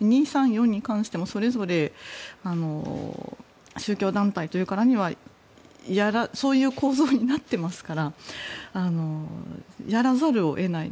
２、３、４に関してもそれぞれ宗教団体というからにはそういう構造になっていますからやらざるを得ない。